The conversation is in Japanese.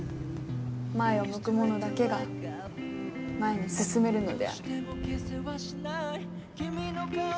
前を向く者だけが前に進めるのである。